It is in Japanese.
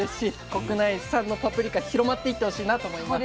国内産のパプリカ広まっていってほしいなと思います。